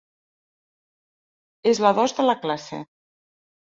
És la dos de la classe.